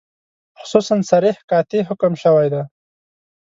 خصوصاً صریح قاطع حکم شوی دی.